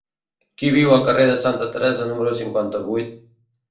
Qui viu al carrer de Santa Teresa número cinquanta-vuit?